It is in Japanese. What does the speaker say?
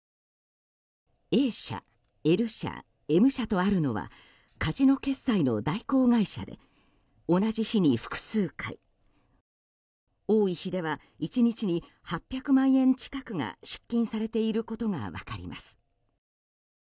Ａ社、Ｌ社、Ｍ社とあるのはカジノ決済の代行会社で同じ日に複数回多い日では１日に８００万円近くが出金されていることが分かります。